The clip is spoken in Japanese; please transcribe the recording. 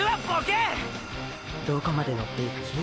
どこまで乗っていく気？